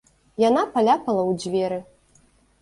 Яна паляпала ў дзверы.